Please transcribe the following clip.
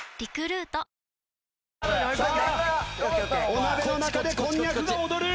お鍋の中でこんにゃくが踊る！